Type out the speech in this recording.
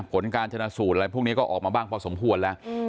ผลการชนะสูตรอะไรพวกนี้ก็ออกมาบ้างพอสมควรแล้ว